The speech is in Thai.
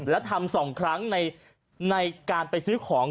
แล้วทำ๒ครั้งในการไปซื้อของ